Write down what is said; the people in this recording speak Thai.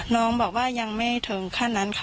น้องบอกว่ายังไม่ถึงขั้นนั้นค่ะ